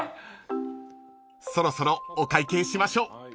［そろそろお会計しましょう］